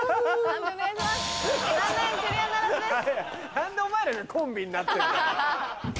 何でお前らがコンビになってんだよ。